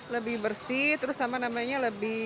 lebih bersih terus sama namanya lebih